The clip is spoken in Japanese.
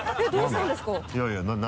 いやいや何？